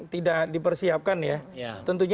tidak dipersiapkan ya tentunya